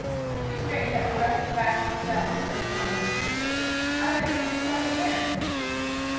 She straightened up to rest her back and looked out through an open window. "I thought you were just coming here."